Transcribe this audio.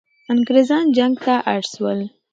انګریزان جنگ ته اړ سول.